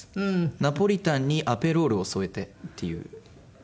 ナポリタンにアペロールを添えてっていう。